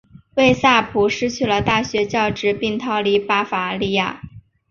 魏萨普失去了大学教职并逃离巴伐利亚。